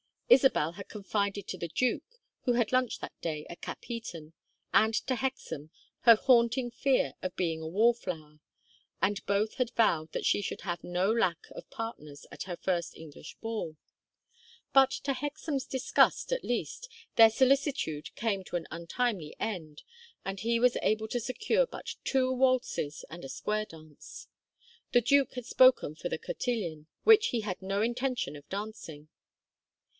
Isabel had confided to the duke, who had lunched that day at Capheaton, and to Hexam, her haunting fear of being a wall flower, and both had vowed that she should have no lack of partners at her first English ball. But to Hexam's disgust, at least, their solicitude came to an untimely end, and he was able to secure but two waltzes and a square dance. The duke had spoken for the cotillon, which he had no intention of dancing.